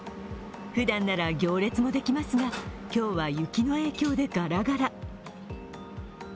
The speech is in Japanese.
ふだんなら行列もできますが、今日は雪の影響でガラガラ。